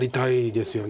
ですよね。